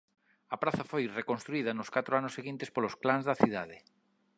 A praza foi reconstruída nos catro anos seguintes polos clans da cidade.